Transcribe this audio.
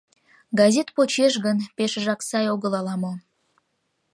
— Газет почеш гын, пешыжак сай огыл ала-мо.